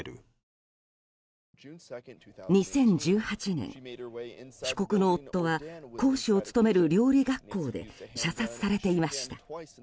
２０１８年、被告の夫は講師を務める料理学校で射殺されていました。